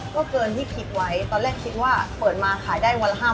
ก็เกินที่คิดไว้ตอนแรกคิดว่าเปิดมาขายได้๕ม่อก็พอแล้ว